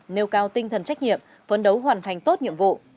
nêu cao tinh thần trách nhiệm phấn đấu hoàn thành tốt nhiệm vụ